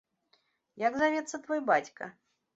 Як завецца твой бацька?